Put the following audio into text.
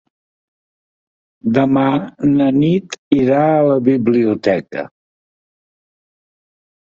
Demà na Nit irà a la biblioteca.